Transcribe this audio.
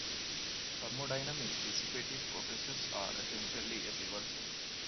Thermodynamic dissipative processes are essentially irreversible.